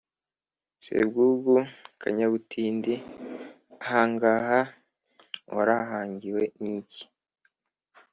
"sebwugugu, kanyabutindi ahangaha waharangiwe n' iki?